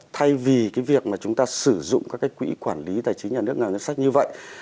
thay vì cái việc mà chúng ta sử dụng các cái quỹ quản lý tài chính nhà nước ngoài ngân sách như vậy